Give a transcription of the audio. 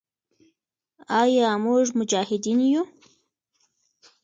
آیا موږ مجاهدین یو؟